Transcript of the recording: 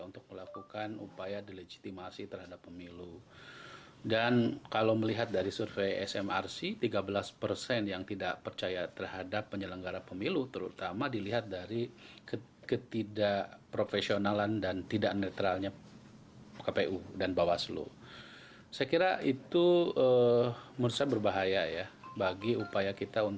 tapi kan akhirnya kami keberatan